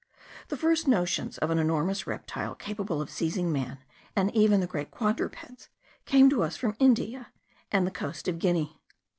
The first notions of an enormous reptile capable of seizing man, and even the great quadrupeds, came to us from India and the coast of Guinea.